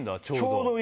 ちょうど。